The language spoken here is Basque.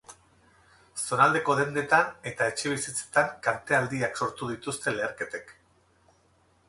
Zonaldeko dendetan eta etxebizitzetan kalte handiak sortu dituzte leherketek.